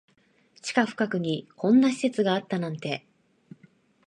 地下深くにこんな施設があったなんて